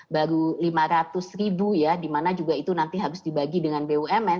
baru lima ratus ribu ya di mana juga itu nanti harus dibagi dengan bumn